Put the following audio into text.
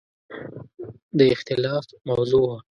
د اختلاف موضوع وه.